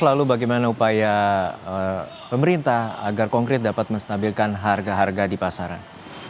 lalu bagaimana upaya pemerintah agar konkret dapat menstabilkan harga harga di pasaran